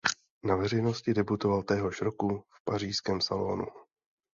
Na veřejnosti debutoval téhož roku v Pařížském salónu.